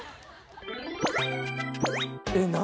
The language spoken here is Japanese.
えっ？何？